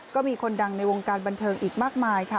ก็มีคนดังในวงการบันเทิงอีกมากมายค่ะ